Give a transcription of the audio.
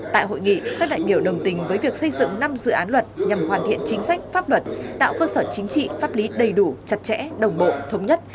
tại hội nghị các đại biểu đồng tình với việc xây dựng năm dự án luật nhằm hoàn thiện chính sách pháp luật tạo cơ sở chính trị pháp lý đầy đủ chặt chẽ đồng bộ thống nhất